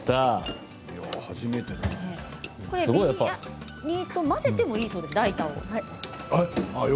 ライタを混ぜてもいいそうです。